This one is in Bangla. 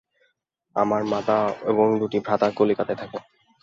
আমার মাতা এবং দুইটি ভ্রাতা কলিকাতায় থাকে।